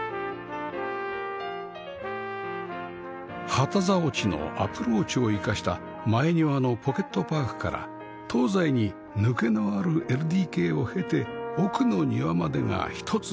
旗竿地のアプローチを生かした前庭のポケットパークから東西に抜けのある ＬＤＫ を経て奥の庭までがひと続き